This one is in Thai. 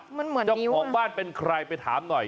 เจ้าของบ้านเป็นใครไปถามหน่อย